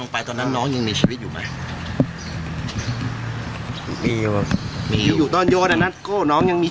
ไปฟังเสียไอ้โก้หน่อยดิ